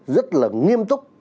rất là nghiêm túc